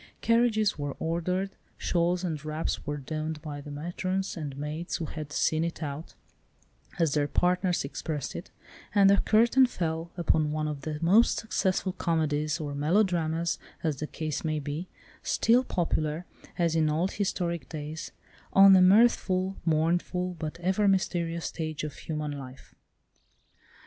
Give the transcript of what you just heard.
Carriages were ordered, shawls and wraps were donned by the matrons and maids who had "seen it out," as their partners expressed it, and the curtain fell upon one of the most successful comedies or melodramas, as the case may be, still popular, as in old historic days, on the mirthful, mournful, but ever mysterious stage of human life.